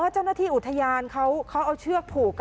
เจ้าหน้าที่อุทยานเขาเอาเชือกผูก